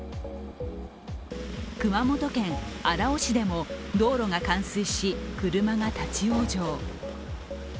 熊本県荒尾市でも道路が冠水し車が立往生。